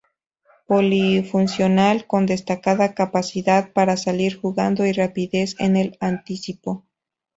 Polifuncional, con destacada capacidad para salir jugando y rapidez en el anticipo.